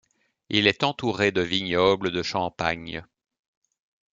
Il est entouré de vignobles de Champagne.